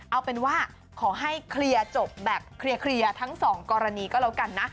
เอาเป็นว่าขอให้เคลียร์จบแบบเคลียร์ทั้งสองกรณีก็แล้วกันนะ